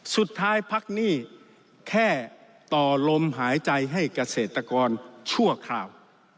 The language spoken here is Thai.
พักหนี้แค่ต่อลมหายใจให้เกษตรกรชั่วคราว